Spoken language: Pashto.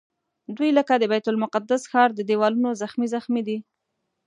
دوی لکه د بیت المقدس ښار د دیوالونو زخمي زخمي دي.